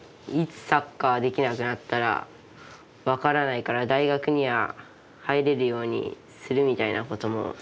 いつサッカーできなくなったら分からないから大学には入れるようにするみたいなことも。